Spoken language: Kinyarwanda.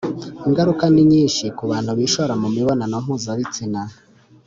Ingaruka ni nyinshi ku bantu bishora mu mibonano mpuzabitsina